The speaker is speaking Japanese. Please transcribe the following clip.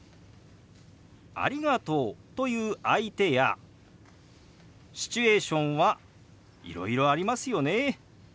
「ありがとう」と言う相手やシチュエーションはいろいろありますよね。